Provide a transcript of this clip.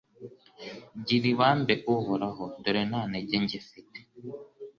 Gira ibambe Uhoraho dore nta ntege ngifite